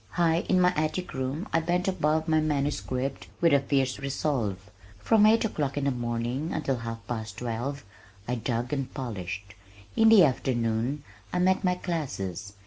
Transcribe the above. High in my attic room I bent above my manuscript with a fierce resolve. From eight o'clock in the morning until half past twelve, I dug and polished. In the afternoon, I met my classes.